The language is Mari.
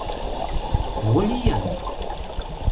Мо лийын?